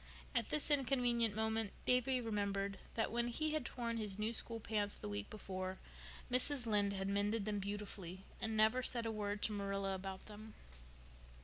At this inconvenient moment Davy remembered that when he had torn his new school pants the week before, Mrs. Lynde had mended them beautifully and never said a word to Marilla about them.